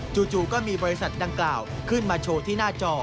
จู่ก็มีบริษัทดังกล่าวขึ้นมาโชว์ที่หน้าจอ